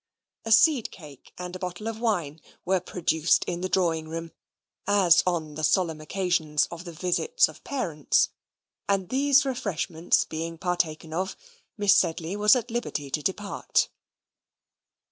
A seed cake and a bottle of wine were produced in the drawing room, as on the solemn occasions of the visits of parents, and these refreshments being partaken of, Miss Sedley was at liberty to depart.